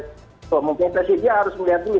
ketua umum pssi dia harus melihat dulu